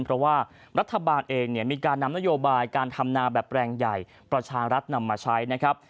เพราะว่ารัฐบาลเองเนี่ยมีการนำนโยบายการทำนาแบบแปลงใหญ่ประชารัฐนำมาใช้นะครับ